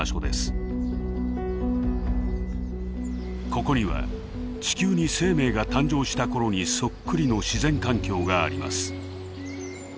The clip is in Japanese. ここには地球に生命が誕生した頃にそっくりの自然環境があります。